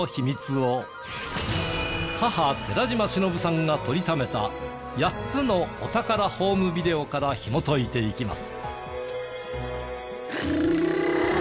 母寺島しのぶさんが撮りためた８つのお宝ホームビデオからひも解いていきます。